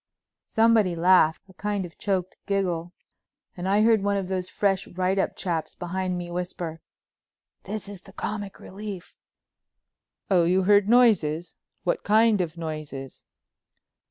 Somebody laughed, a kind of choked giggle, and I heard one of those fresh write up chaps behind me whisper: "This is the comic relief." "Oh, you heard noises—what kind of noises?"